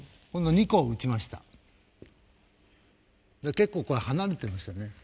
結構これ離れてましたね。